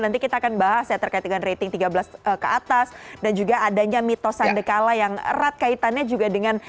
nanti kita akan bahas ya terkait dengan rating tiga belas ke atas dan juga adanya mitos sandekala yang erat kaitannya juga dengan